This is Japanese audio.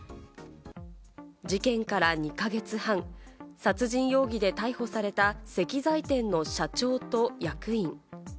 事件から２か月半、殺人容疑で逮捕された石材店の社長と役員。